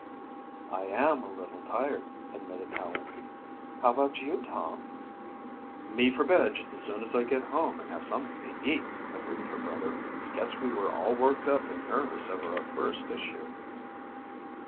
"I am a little tired," admitted Helen. "How about you, Tom?" "Me for bed just as soon as I get home and have something to eat," agreed her brother. "Guess we were all worked up and nervous over our first issue."